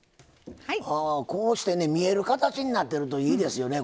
こうしてね見える形になってるといいですよね